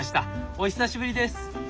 お久しぶりです。